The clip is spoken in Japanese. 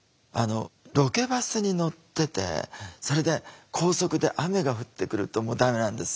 ロケバスに乗っててそれで高速で雨が降ってくるとダメなんですよ。